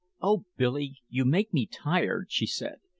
"Oh, Billy, you make me tired," she said.